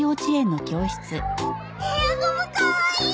ヘアゴムかわいい！